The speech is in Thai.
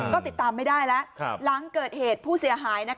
ก็ติดตามไม่ได้แล้วหลังเกิดเหตุผู้เสียหาย